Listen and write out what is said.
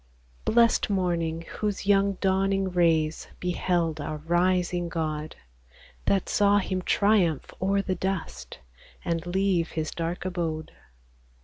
Blest morning, whose young dawning rays Beheld our rising God ! That saw Him triumph o'er the dust, And leave His dark abode.